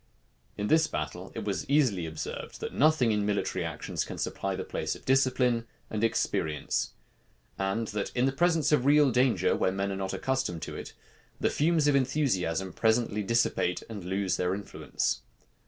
In this battle it was easily observed, that nothing in military actions can supply the place of discipline and experience; and that, in the presence of real danger, where men are not accustomed to it, the fumes of enthusiasm presently dissipate, and lose their influence.